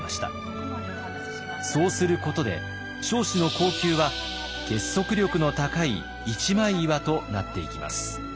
そうすることで彰子の後宮は結束力の高い一枚岩となっていきます。